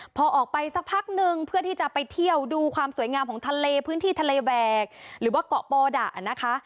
พอออกไปสักพักนึงเพื่อที่จะไปเที่ยวดูความสวยงามของทะเลพื้นที่ทะเลแบกหรือว่าเกาะปอดะนะคะ